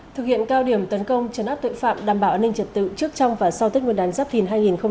thực hiện cao điểm tấn công trấn áp tội phạm đảm bảo an ninh trật tự trước trong và sau tết nguyên đán giáp thìn hai nghìn hai mươi bốn